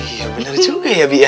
iya bener juga ya bi